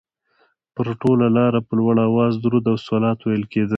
پر ټوله لاره په لوړ اواز درود او صلوات ویل کېده.